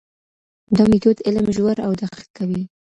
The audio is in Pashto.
دا مېتود علم ژور او دقیق کوي.